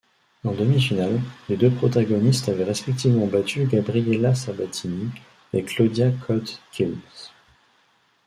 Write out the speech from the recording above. En demi-finale, les deux protagonistes avaient respectivement battu Gabriela Sabatini et Claudia Kohde-Kilsch.